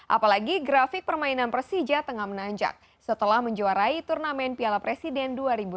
apalagi grafik permainan persija tengah menanjak setelah menjuarai turnamen piala presiden dua ribu dua puluh